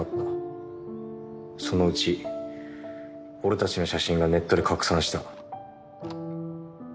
そのうち俺たちの写真がネットで拡散した。